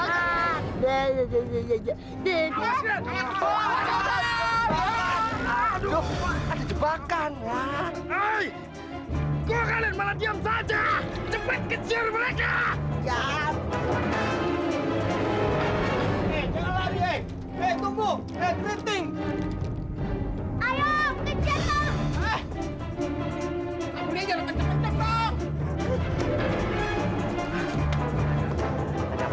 ada jebakan ya hai kau kalian malah diam saja cepet kejar mereka